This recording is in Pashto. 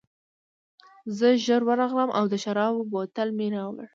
زه ژر ورغلم او د شرابو بوتل مې راوړ